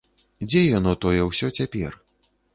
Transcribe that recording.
Дзе яно тое ўсё цяпер?